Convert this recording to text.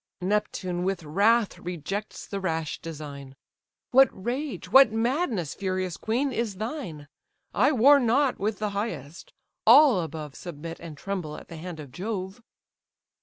Neptune with wrath rejects the rash design: "What rage, what madness, furious queen! is thine? I war not with the highest. All above Submit and tremble at the hand of Jove."